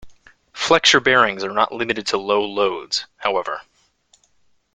Flexure bearings are not limited to low loads, however.